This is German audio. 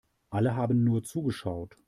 Alle haben nur zugeschaut.